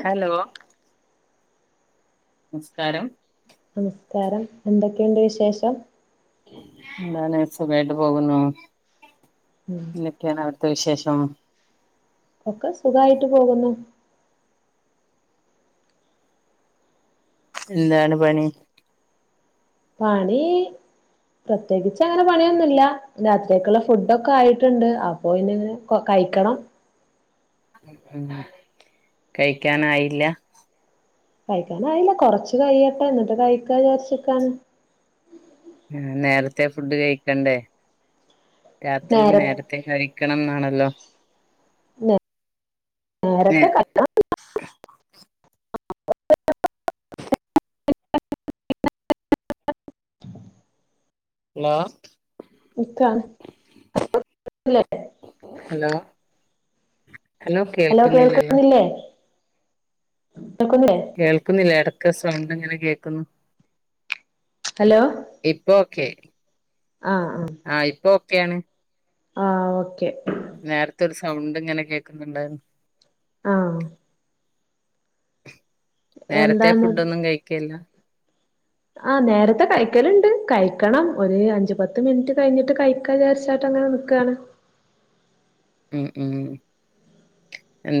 Hello നമസ്കാരം നമസ്കാരം, എന്തൊക്കെയുണ്ട് വിശേഷം. ന്താണ്, സുഖായിട്ട് പോകുന്നു. ഉം ന്തൊക്കെയാണ് അവിടുത്തെ വിശേഷം. ഉം ഒക്കെ സുഖായിട്ട് പോകുന്നു എന്താണ് പണി പണി പ്രത്യേകിച്ച് അങ്ങനെ പണിയൊന്നുമില്ല രാത്രിയക്കുള്ള ഫുഡ ഒക്കെ ആയിട്ടുണ്ട് അപ്പോ പിന്നെ ഇങ്ങനെ കഴിക്കണം ഉം കഴിക്കാനായില്ല കഴിക്കാൻ ആയില്ല കൊറച്ച് കഴിയട്ടെ എന്നിട്ട് കഴിക്ക വിചാരിച്ച് നിക്കാണ് ആ നേരത്തെ ഫുഡ് കഴിക്കണ്ടേ രാത്രിയിൽ നേര നേരത്തെ കഴിക്കണം എന്നാണല്ലോ നേര നേരത്തെ ഹലോ കഴികണന്നില്ല ഹലോ ഹലോ [unintelligible] ഹലോ കേൾക്കുന്നില്ലേ കേൾക്കുന്നില്ലേ കേൾക്കുന്നില്ല ഇടക്ക് സൗണ്ട് ഇങ്ങനെ കേൾക്കുന്നു ഇപ്പൊ ഓക്കെ അ ആ ഒക്കെയാണ് ആ ഓക്കെ നേരത്തെ ഒരു സൗണ്ട് ഇങ്ങനെ കേക്കുന്നുണ്ടായിരുന്നു ആ നേരത്തെ ഫുഡ് ഒന്നും കഴിക്കലില്ല ആഹ് നേരത്തെ കഴിക്കലുണ്ട് കഴിക്കണം ഒരു അഞ്ചു പത്ത് മിനിറ്റ് കഴിഞ്ഞിട്ട് കഴിക്കാ വിചാരിച്ചാട്ട ഇങ്ങനെ നിക്കാണ് ഉം ഉം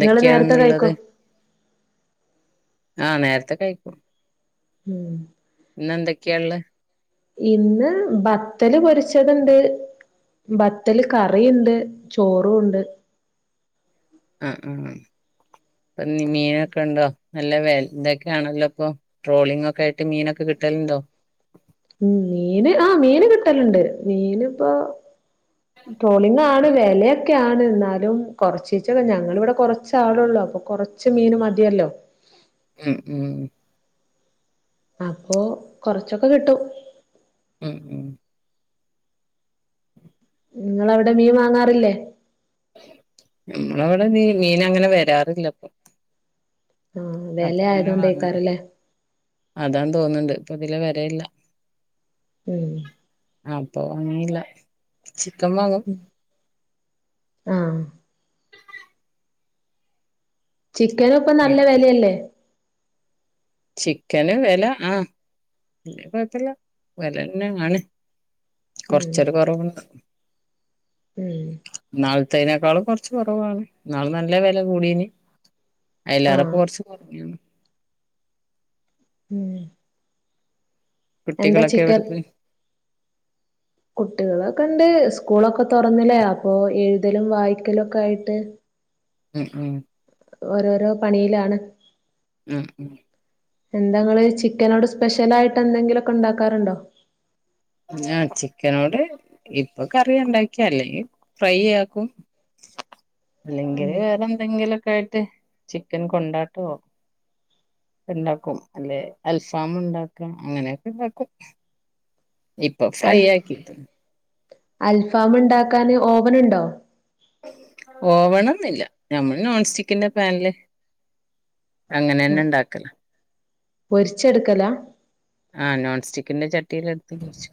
നിങ്ങള് നേരത്തെ കഴിക്കോ ഇന്നുള്ളത് ആ നേരത്തെ കഴിക്കും ഉം പിന്നെ എന്തൊക്കെയാ ഉള്ളെ ഇന്ന് ബത്തല് പൊരിച്ചതുണ്ട് ബത്തല് കറിയുണ്ട് ചോറും ഉണ്ട് ആ ആ ഇന്ന് മീനൊക്കെ ഉണ്ടോ നല്ല വില ഇതൊക്കെയാണല്ലോ ഇപ്പൊ ട്രോളിംഗ് ഒക്കെ ആയിട്ട് മീനൊക്കെ കിട- കിട്ടലുണ്ടോ ഉം മീന് ആ മീന് കിട്ടലുണ്ട് മീന് ഇപ്പോ ട്രോളിംഗ് ആണ് വില ക്കാണ് എന്നാലും കൊറച്ചിച്ചക്കെ ഞങ്ങളിവിടെ കൊറച്ച ആളുള്ളൂ അപ്പൊ കൊറച്ച് മീന് മതിയല്ലോ ഉം ഉം അപ്പൊ കൊറച്ചൊക്കെ കിട്ടും ഉം ഉം നിങ്ങളവിടെ മീൻ വാങ്ങാറില്ലേ നമ്മളവിടെ മീൻ അങ്ങനെ വരാറില്ലപ്പൊ ആ വില അപ്പൊ എങ്ങനെ വാങ്ങ ആയതുകൊണ്ടേക്കാരല്ലേ അതാന്ന് തോന്നുന്നുണ്ട് ഇതിലെ വരയില്ല ഉം അപ്പൊ അങ്ങനയില്ല ആ ചിക്കന് ഇപ്പ നല്ല വിലയല്ലേ ചിക്കന് വില ആ പിന്നെ കുഴപ്പില്ല വിലന്നെ ആണ് ഉം കൊറച്ചട് കൊറവുണ്ട് ഉം ന്നാളത്തെയ്നെക്കാളും കൊറച്ച് കുറവാണ് ന്നാള് നല്ല വെല കൂടീന്. അയ്ലെറപ്പ ആഹ് കുറച്ച് [unintelligible] ഉം. എന്താ കുട്ടികളൊക്കെ എവിടെ പോയി. കുട്ട്യാളൊക്കെ ഇണ്ട് സ്കൂളൊക്കെ തുറന്നിലെ അപ്പൊ എഴുതലും വായിക്കലും ഒക്കെ ആയിട്ട്. ഉം ഉം. ഓരോരോ പണിയിലാണ്. ഉം. എന്താ ങ്ങള് ചിക്കനോട് സ്പെഷ്യൽ ആയിട്ട് എന്തെങ്കിലൊക്കെ ഉണ്ടാക്കാറുണ്ടോ. ആ ചിക്കനോട് ഇപ്പൊ കറി ഉണ്ടാക്കി അല്ലെങ്കി ഫ്രൈആക്കും. ഉം അല്ലെങ്കില് വേറെന്തെങ്കിലൊക്കെ ആയിട്ട് ചിക്കൻ കൊണ്ടാട്ടോ ഇണ്ടാക്കും അല്ലെ അൽഫാം ഉണ്ടാക്കാം അങ്ങനെയൊക്കെ ഇണ്ടാക്കും. ഇപ്പൊ ഫ്രൈ അൽ ആക്കീത്. അൽഫാം ഉണ്ടാക്കാന് ഓവന് ഉണ്ടോ. ഓവണൊന്നില്ല ഞമ്മൾ നോൺ സ്റ്റിക്കിന്റെ പാനില്. അങ്ങനെന്നെണ്ടാക്ക പൊരിച്ചെടുക്കലാ [inaudible] ആ നോൺസ്റ്റിക്. പിന്നെ ചട്ടിൽ അടുപ്പത്ത് വെച്ച്.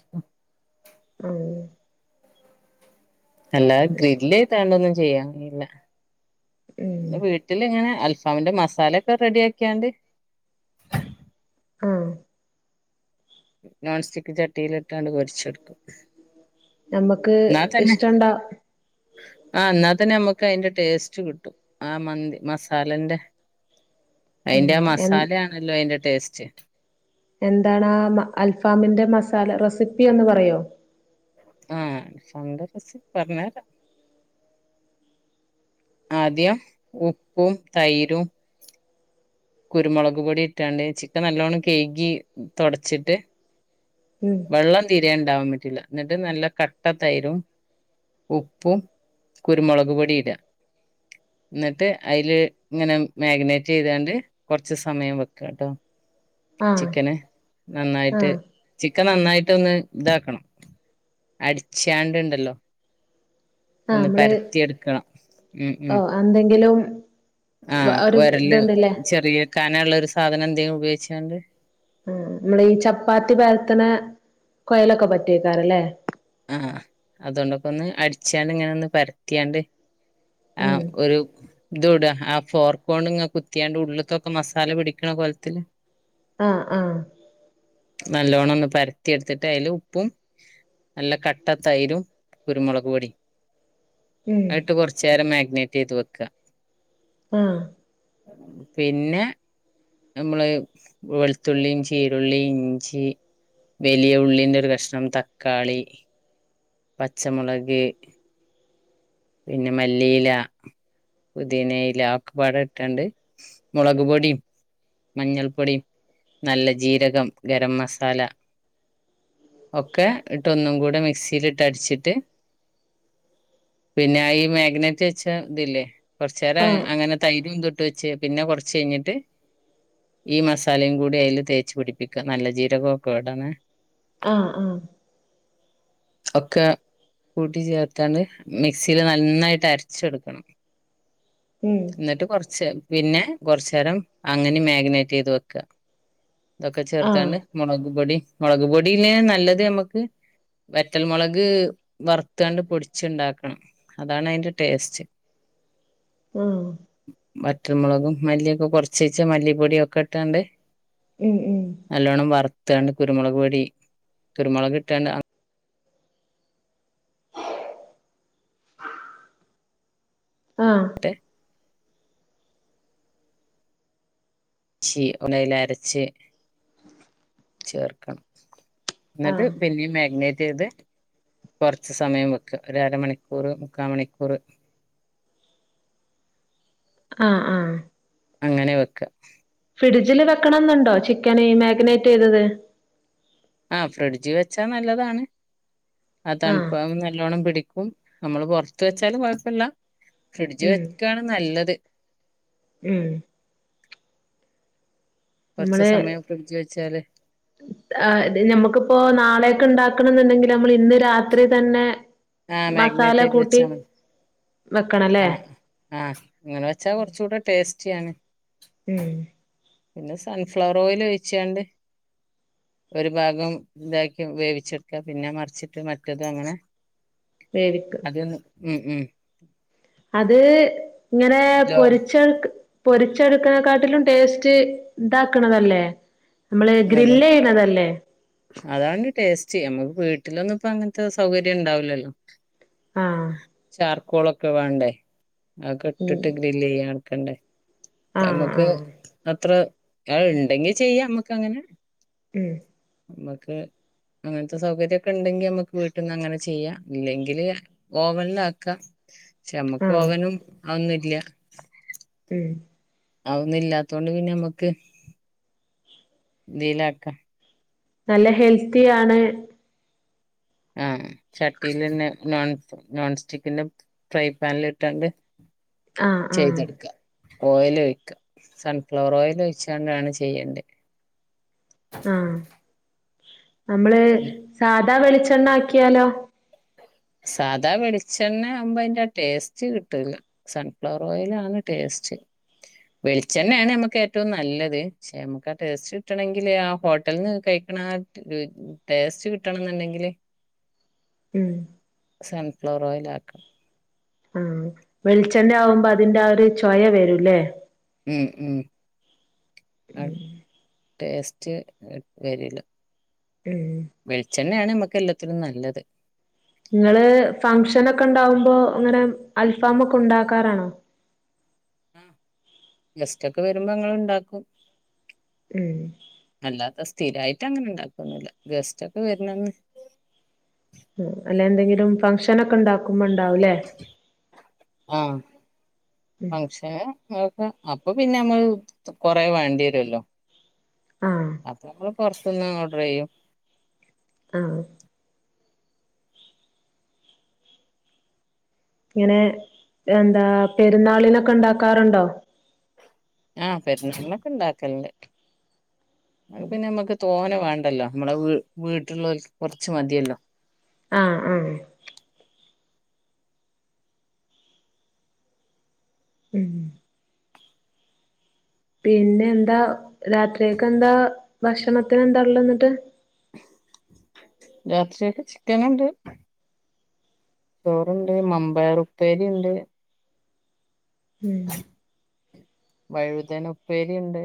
അ അല്ലാതെ ഗ്രില്ല് ചെയ്താണ്ടൊന്നും ചെയ്യാൻ കഴീല്ല ഉം വീട്ടില് ഇങ്ങനെ അൽഫ അവന്റെ മസാല ഒക്കെ റെഡി ആക്കിയാണ്ട്. ആ. നോൺ സ്റ്റിക്ക് ചട്ടിയിലിട്ടാണ്ട് പൊരിച്ചെടുക്കും. നമ്മുക്ക് ഇഷ്ടണ്ടാ. ആ ന്നാത്തന്നെ നമ്മുക്ക് അതിന്റെ ടേസ്റ്റ് കിട്ടും ആ മന്തി മസാലന്റെ. ഉം അയിന്റെ ആ എൻ മസാലയാണല്ലോ അയിന്റെ ടേസ്റ്റ്. എന്താണ് ആ മ അൽഫാമിന്റെ മസാല റെസിപ്പി എന്ന് പറയോ. ആ മസാലന്റെ റെസിപി പറ പറഞ്ഞേര. ആദ്യം ഉപ്പും തൈരും കുരുമുളക് പൊടി ഇട്ടാണ്ട് ചിക്കൻ നല്ലോണം കേക്കി തുടച്ചിട്ട് ഉം വെള്ളം തീരൻണ്ടാവാൻ പറ്റില്ല എന്നിട്ട് നല്ല കട്ടതൈരും ഉപ്പും കുരുമുളക് പൊടിയിട. ന്നിട്ട് അതില് ഇങ്ങനെ മാഗിനേറ്റ് ചെയ്താണ്ട് കുറച്ച് സമയം വെക്കട്ടോ ആഹ് ചിക്കന് നന്നായിട്ട് ആഹ് ചി ഒക്കെ നന്നായിട്ട് ഒന്ന് ഇതാക്കണം അടിച്ചാണ്ട് ഇണ്ടല്ലോ. ആഹ് ഒന്ന് നമ്മള് പരത്തി എടുക്കണം ഉ ഉ. ഓ എന്തെങ്കിലും ആ വ ഒരു ഉരല് ഇതുണ്ടല്ലേ ചെറിയ കനള്ള ഒരു സാധനം എന്തേലും ഉപയോഗിച്ചാ ണ്ട്. ആ നമ്മളെ ഈ ചപ്പാത്തി പരത്തന കൊയലൊക്കെ പറ്റെക്കാരല്ലേ. ആ അതോണ്ടൊക്കെ ഒന്ന് അടിച്ചാണ്ട് ഇങ്ങനെ ഒന്ന് പരത്തിയാണ്ട്. ആ ഉം ഒരു. ഇതുംട ആ ഫോർക്കോൺണ്ട് ഇങ്ങ കുത്തിയാണ്ട് ഉള്ളിക്കൊക്കെ മസാല പിടിക്ക്ണ കോലത്തില് ആ ആ. നല്ലോണ്ണം ഒന്ന് പരത്തി എടുത്തിട്ട് അതില് ഉപ്പും നല്ല കട്ട തൈരും കുരുമുളക് പൊടിം ഉം ആയിട്ട് കുറച്ചു നേരം മ [unintelligible] നേറ്റ് ചെയ്ത് വെക്ക. ആ. പിന്നെ. നമ്മള് വെളുത്തുള്ളിം ചീരുള്ളി ഇഞ്ചി വലിയ ഉള്ളിന്റെ ഒരു കഷ്ണം തക്കാളി. പച്ചമുളകെ. പിന്നെ മല്ലിയില. പൊതിനയില ഒക്കെപാടെ ഇട്ട്ണ്ട് മുളക് പൊടീം മഞ്ഞൾപ്പൊടീം ന്നല്ല ജീരകം ഗരം മസാല ഒക്കെ ഇട്ടൊന്നും കൂടെ മിക്സിയിലിട്ടടിച്ചിട്ട് പിന്നെ ഈ മാഗ്നറ്റ് വെച്ച ഇതില്ലേ കോർച്ചേരം ആഹ് അങ്ങനെ തൈരും തൊട്ട് വെച്ച് പിന്നെ കൊറച് കഴിഞ്ഞിട്ട് ഈ മസാലയും കൂടി അയ്ല് തേച്ച് പിടിപ്പിക്ക നല്ല ജീരകോ ഒക്കെ ഇടണെ ആ ആ ഒക്ക കൂട്ടി ചേർത്താണ്ട് മിക്സിയില് ന്നന്നായ്ട്ട് അരച്ചെടുക്കണം ഉം എന്നിട്ട് കൊറച്ച് പിന്നെ കൊറചേരം അങ്ങനെ മേഗ് ഗ്നെറ്റ് ചെയ്ത് വെക്ക ഇതൊക്കെ ആഹ് ചേർത്താണ്ട് മുളക്പൊടി മുളക്പൊടിന്നെ നല്ലത് നമ്മക്ക് വെറ്റൽമുളക് വറുത്തുകാണ്ട് പൊടിച്ച്ണ്ടാക്കണം അതാണ് അയ്ന്റെ ടേസ്റ്റ് ഉം വറ്റൽമുളകും മല്ലിയൊക്കെ കുറചീച്ചേ മല്ലിപ്പൊടിയോക്കെട്ടാണ്ട് ഉം ഉം നല്ലോണ്ണം വറുത്താണ്ട് കുരുമുളക് പൊടി കുരുമുളക് ട്ടാണ്ട് അ ആ അങ്ങട്ട് ചി ഒന്നായിലരച്ച് ചേർക്കണം ന്ന്ട്ട് ആഹ് പിന്നേം മാഗനെറ്റെയ്ത് കോറച്ച് സമയം വെക്ക ഒരരമണിക്കൂറ് മുക്കാ മണിക്കൂറ് ആ ആ അങ്ങനെ വെക്ക ഫ്രിഡ്ജില് വെക്കണന്നുണ്ടോ ചിക്കന് മാഗിനേറ്റെയ്തത് ആ ഫ്രിഡ്ജി വെച്ചാ ന്നല്ലതാണ് ആ ആഹ് തണുപ്പ നല്ലോണ്ണം പിടിക്കും നമ്മള് പോറത്ത് വെച്ചാല് കൊയപ്പല്ല ഫ്രിഡ്ജ് ഉം വെക്കാണ് ന്നല്ലത് ഉം കൊറച്ച് നമ്മള് സമയം ഫ്രിഡ്ജ് വെച്ചാല് ആ നമ്മുക്ക്പ്പോ നാളെ ക്ക് ണ്ടാക്കണംന്ന്ണ്ടെങ്കിൽ നമ്മളിന്ന് രാത്രി തന്നെ ആ മസാല മാഗ്നേറ്റ് ചെയ്ത് കൂട്ടി വെച്ചാ മതി വെക്കണല്ലേ ആ ആ ഇങ്ങനെ വെച്ചാ കുറച്ചുടെ ടേസ്റ്റിയാണ് ഉം പിന്നെ സൺഫ്ലവർ ഓയിലൊഴിച്ചാണ്ട് ഒരു ഭാഗം ഇതാക്കി വേവിച്ചെടുക്ക പിന്നെ മറിച്ചിട്ട് മറ്റതും അങ്ങനെ വേവിക്ക അതൊന്ന് ഉം ഉം അത് ഇങ്ങനെ ലോ പൊരിച്ചക്ക് പൊരിച്ചെടുക്കണെക്കാട്ടിലും ടേസ്റ്റ് ഇതാക്കണതല്ലേ നമ്മള് അതെ ഗ്രില്ലേയ്ണതല്ലേ അതാണ് ടേസ്റ്റ് നമ്മുക്ക് വീട്ടിലൊന്നും ഇപ്പ അങ്ങൻത്തെ സൗകര്യം ഇണ്ടാവൂല്ലല്ലോ ആ ക്കോളൊക്കെ വേണ്ടേ അതൊക്കെ ഉം ഇട്ടിട്ട് ഗ്രില്ലെയ്യ ക്കണ്ടെ ആഹ് നമ്മക്ക് ആഹ് അത്ര ആ ഇണ്ടെങ്കി ചെയ്യാ അമ്മക്കങ്ങനെ ഉം നമ്ക്ക് അങ്ങൻത്തെ സൗകര്യക്കെ ഇണ്ടെങ്കി നമുക്ക് വീട്ട്ന്നങ്ങനെ ചെയ്യാ ഇല്ലെങ്കില് ഓവൻലാക്ക ചമ്മക്ക് ആഹ് ഓവനും അതോന്നുംല്ല ഉം ആ ഒന്നില്ലാത്തൊണ്ട് പിന്നെ നമ്മക്ക് ഇതിലാക്കാ നല്ല ഹെൽത്തിയാണ് ആ ചട്ടിലെന്നെ നോൺ നോൺ സ്റ്റിക്കിന്റെ ഫ്രൈ പാനില്ട്ടാണ്ട് ആ ആ ഓയൽ ഒഴിക്ക സൺഫ്ലവർ ഓയിൽ ഒഴിച്ചാണ്ടാണ് ചെയ്യണ്ടിയെ ആ നമ്മള് സാധാ വെളിച്ചെണ്ണ ആക്കിയാലോ സാധാ വെളിച്ചെണ്ണ ആവുമ്പോ അയ്ന്റെ ടേസ്റ്റ് കിട്ടൂല സൺഫ്ലവർ ഓയിലാണ് ടേസ്റ്റ് ശ വെളിച്ചെണ്ണേണ് ഞമ്മക്കേറ്റവും നല്ലത് ക്ഷെ നമുക്ക് ആ ടേസ്റ്റ് കിട്ടണങ്കില് ആ ഹോട്ടൽന്ന് കഴി ആ രു ടേസ്റ്റ് കിട്ടണം ന്ന്ണ്ടെങ്കില് ഉം സൺഫ്ലോർ ഓയിൽ ആക്ക ആ വെളിച്ചെണ്ണാവുമ്പോ അതിന്റെ ആ ഒരു ചൊയ വരൂലേ ഉം ഉം ആ ഉം ടേസ്റ്റ് വരില്ല ഉം ണ്ണേണ് മ്മക്ക് എല്ലത്തിനും നല്ലത് ങ്ങള് ഫങ്ഷനൊക്കെ ണ്ടാവുമ്പോ ങ്ങനെ അൽഫാമൊക്കെ ണ്ടാക്കാറാണോ? മ് ഗസ്റ്റോക്കെ വരുമ്പോ ങ്ങനെ ണ്ടാക്കും ഉം സ്ഥിരായിട്ടങ്ങനെ ണ്ടാക്കൊന്നുല്ല ഗസ്റ്റോക്കെ വർനന്ന് മ് അല്ലെ ന്തെങ്കിലും ഫംഗ്ഷനൊക്കെ ണ്ടാക്കോ ആ ഉം ഫങ്ഷന് അപ്പൊ പിന്നെ മ്മൾ കൊറേ വേണ്ടിയെരുല്ലോ ആഹ് അപ്പ പ്പം പൊർത്ത്ന്ന് ഓർഡറെ യ്യും ആ ങ്ങനെ എന്താ പെരുന്നാളിനൊക്കെ ണ്ടാക്കാറുണ്ടോ ആ പെർന്നാൾനൊക്കെ ണ്ടാക്കൽന്റ് അഹ് പിന്നെ മ്മക്ക് തോനെ വാണ്ടല്ലോ മ്മളെ വീ വീട്ട്ള്ളോൽക്ക് കൊർച്ച് മത്യല്ലോ ആ ആ ഉം പിന്നെന്താ രാത്രിയൊക്കെന്താ ഭക്ഷണത്തിന് ന്താ ള്ളെ ന്നട്ട് രാത്രികക്ക് ചിക്കന്ണ്ട് ചോറ്ണ്ട് മമ്പയറുപ്പേരി ണ്ട് ഉം വഴുതന പ്പേരി ഉണ്ട്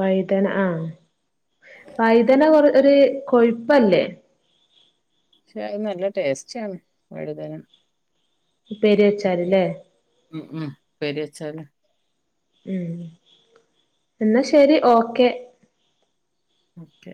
വൈതന ആ വൈതന കൊറ ഒര് കൊയുപ്പല്ലേ പക്ഷെ അ നല്ല ടേസ്റ്റാണ് വഴുതന പ്പേര്യച്ചാൽലേ ഉം ഉം പ്പേര്യച്ചാല് ഉം എന്നാ ശരി ഓക്കെ ഓക്കെ